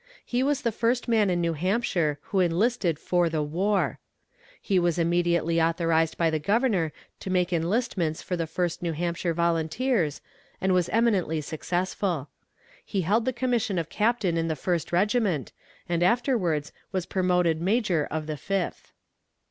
He was the first man in New Hampshire who enlisted for the war. He was immediately authorized by the Governor to make enlistments for the First New Hampshire Volunteers, and was eminently successful. He held the commission of captain in the First Regiment, and afterwards was promoted major of the Fifth.